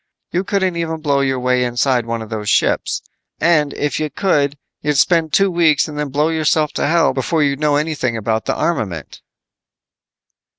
You couldn't even blow your way inside one of those ships. And if you could, you'd spend two weeks and then blow yourself to hell before you'd know anything about the armament."